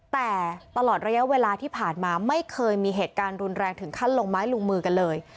แต่ตลอดระยะเวลาที่ผ่านมาไม่เคยมีเหตุการณ์รุนแรงถึงขั้นลงไม้ลงมือกันเลย